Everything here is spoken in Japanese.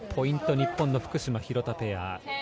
日本の福島、廣田ペア。